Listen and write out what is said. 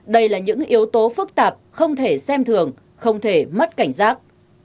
đây là những yếu tố phức tạp không thể xem thường không thể mất cảnh giác